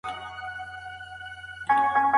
هغه په خپل نامې مشهور سو.